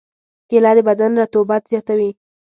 کېله د بدن رطوبت زیاتوي.